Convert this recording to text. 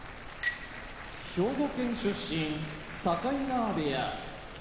兵庫県出身境川部屋